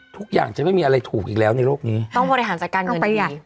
ทุกอย่างจะไม่มีอะไรถูกอีกแล้วในโลกนี้ต้องบริหารจัดการของตัวเอง